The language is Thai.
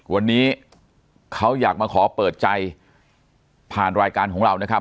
วันนี้เขาอยากมาขอเปิดใจผ่านรายการของเรานะครับ